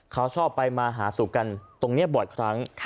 เขาชอบไปมาหาสู่กันตรงนี้บ่อยครั้ง